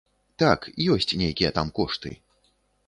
Так, ёсць нейкія там кошты.